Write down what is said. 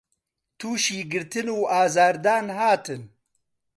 تووشی گرتن و ئازار دان هاتن